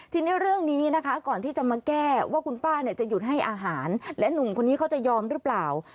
ทีนี้เรื่องนี้นะคะก่อนที่จะมาแก้ว่าคุณป้าเนี่ยจะหยุดให้อาหารและหนุ่มคนนี้เขาจะยอมหรือเปล่า